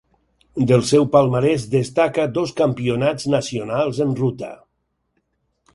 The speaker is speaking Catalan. Del seu palmarès destaca dos Campionats nacionals en ruta.